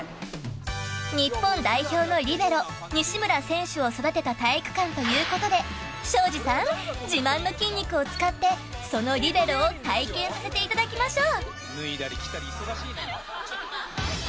日本代表のリベロ、西村選手を育てた体育館ということで庄司さん、自慢の筋肉を使ってそのリベロを体験させていただきましょう！